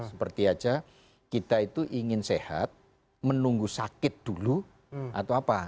seperti aja kita itu ingin sehat menunggu sakit dulu atau apa